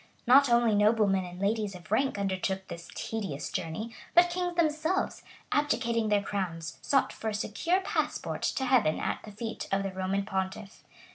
Not only noblemen and ladies of rank undertook this tedious journey,[] but kings themselves, abdicating their crowns, sought for a secure passport to heaven at the feet of the Roman pontiff.